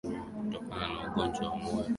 kutokana na ugonjwa wa moyo Kaika miaka ambayo